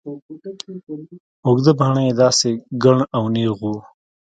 اوږده باڼه يې داسې گڼ او نېغ وو.